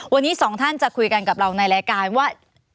วันนี้สองท่านจะคุยกันกับเราในรายการว่า